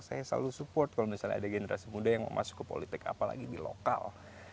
saya selalu support kalau misalnya ada generasi muda yang masuk ke politik apalagi di lokal